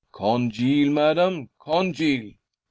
"Congeal, madam, congeal!"